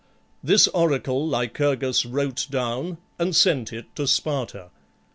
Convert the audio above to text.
This oracle Lycurgus wrote down, and sent it to Sparta.